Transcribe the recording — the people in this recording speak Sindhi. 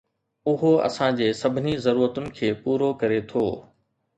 اهو اسان جي سڀني ضرورتن کي پورو ڪري ٿو